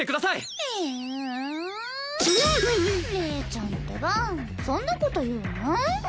えレイちゃんってばそんなこと言うの？